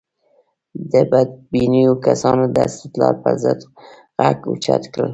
د بدبینو کسانو د استدلال پر ضد غږ اوچت کړو.